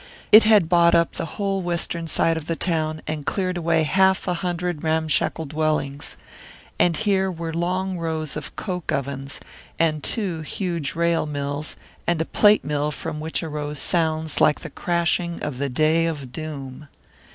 It had bought up the whole western side of the town, and cleared away half a hundred ramshackle dwellings; and here were long rows of coke ovens, and two huge rail mills, and a plate mill from which arose sounds like the crashing of the day of doom.